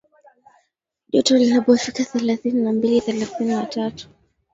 joto linapofika thelathini na mbili thelathini na tatu